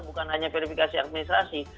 bukan hanya verifikasi administrasi